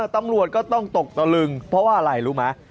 ตำรวจก็ต้องตกตะลึงเพราะว่าอะไรรู้ไหม